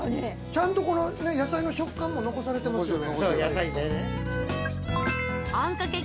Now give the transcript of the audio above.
ちゃんと野菜の食感も残されてますよね。